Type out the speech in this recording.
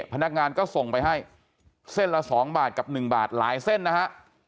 พนักงานก็ส่งไปให้เส้นละ๒บาทกับ๑บาทหลายเส้นนะฮะ